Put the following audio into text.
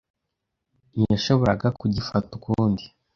Ntiyashoboraga kugifata ukundi.